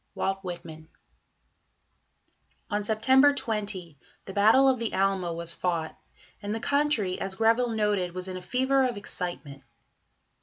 WALT WHITMAN. On September 20 the Battle of the Alma was fought, and the country, as Greville noted, was "in a fever of excitement."